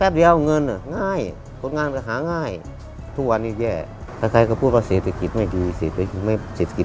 แป๊บเดียวเงินง่ายคนงานก็หาง่ายทุกวันนี้แย่ใครก็พูดว่าเศรษฐกิจไม่ดี